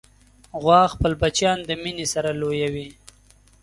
غوا خپل بچیان د مینې سره لویوي.